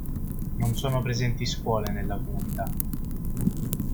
Non sono presenti scuole nella comunità.